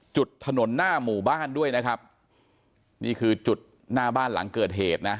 จุดถนนหน้าหมู่บ้านด้วยนะครับนี่คือจุดหน้าบ้านหลังเกิดเหตุนะ